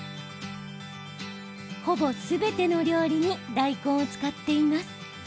ほぼ、すべての料理に大根を使っています。